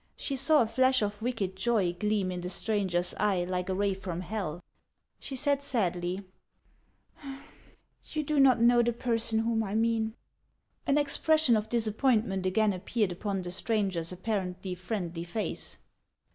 She saw a flash of wicked joy gleam in the stranger's eye like a ray from hell. She said sadly :—" You do not know the person whom I mean." An expression of disappointment again appeared upon the stranger's apparently friendly face.